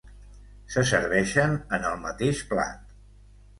Se serveixen en el mateix plat.